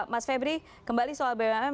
mas febri kembali soal bumn